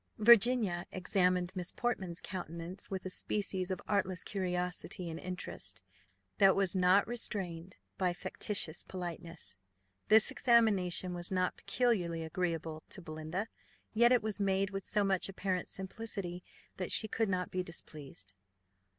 Virginia examined Miss Portman's countenance with a species of artless curiosity and interest, that was not restrained by factitious politeness. This examination was not peculiarly agreeable to Belinda, yet it was made with so much apparent simplicity, that she could not be displeased.